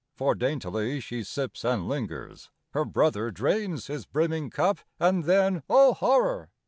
For daintily she sips and lingers. Her brother drains his brimming cup. And then—oh, horror!